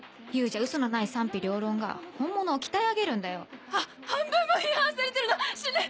Ｕじゃウソのない賛否両論が本物を鍛え上げるんだよ。は半分も批判されてるの⁉死ぬ！